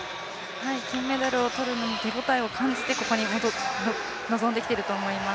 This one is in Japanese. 金メダルを取るのに手応えを感じて臨んでいると思います。